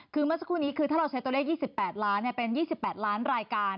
คือเมื่อสักครู่นี้คือถ้าเราใช้ตัวเลข๒๘ล้านเป็น๒๘ล้านรายการ